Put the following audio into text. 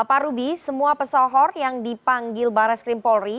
pak rubi semua pesohor yang dipanggil bares krimpolri